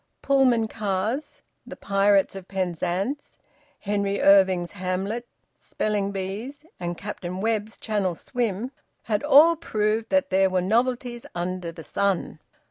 Pullman cars, "The Pirates of Penzance," Henry Irving's "Hamlet," spelling bees, and Captain Webb's channel swim had all proved that there were novelties under the sun.